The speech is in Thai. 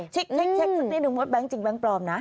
เช็คสักนิดนึงว่าแก๊งจริงแบงค์ปลอมนะ